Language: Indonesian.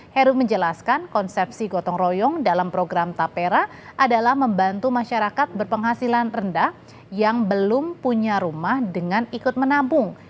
heru menjelaskan konsepsi gotong royong dalam program tapera adalah membantu masyarakat berpenghasilan rendah yang belum punya rumah dengan ikut menampung